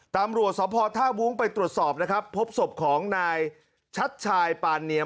ตำรวจสภท่าวุ้งไปตรวจสอบนะครับพบศพของนายชัดชายปานเนียม